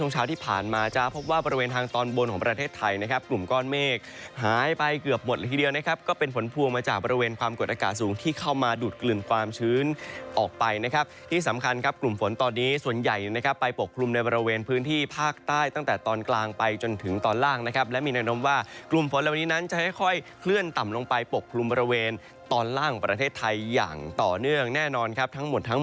ลงมาจากบริเวณความกดอากาศสูงที่เข้ามาดูดกลืนความชื้นออกไปนะครับที่สำคัญครับกลุ่มฝนตอนนี้ส่วนใหญ่นะครับไปปกครุมในบริเวณพื้นที่ภาคใต้ตั้งแต่ตอนกลางไปจนถึงตอนล่างนะครับและมีแนะนำว่ากลุ่มฝนแล้วนี้นั้นจะค่อยเคลื่อนต่ำลงไปปกครุมบริเวณตอนล่างประเทศไทยอย่างต่อเนื่องแน่นอนครับท